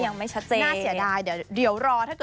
ก็ยังไม่ชัดเจน